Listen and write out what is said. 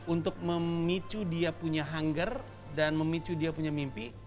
untuk memicu dia punya hunger dan memicu dia punya mimpi